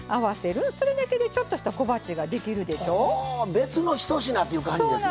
別のひと品っていう感じですね。